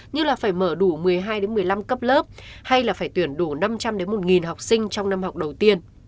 như là phải mở đủ một mươi hai một mươi năm cấp lớp hay là phải tuyển đủ năm trăm linh một học sinh trong năm học đầu tiên